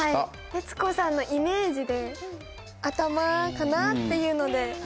徹子さんのイメージで頭かなっていうので。